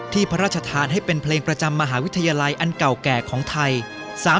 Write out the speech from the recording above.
พระราชทานให้เป็นเพลงประจำมหาวิทยาลัยอันเก่าแก่ของไทย